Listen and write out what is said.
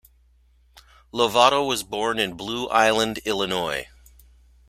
Lovato was born in Blue Island, Illinois.